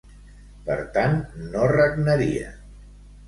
Per tant, no regnaria.